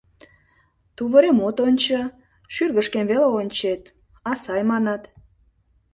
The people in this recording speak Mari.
Тувырем от ончо, шӱргышкем веле ончет, а сай манат!